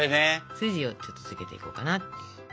筋をちょっとつけていこうかなと。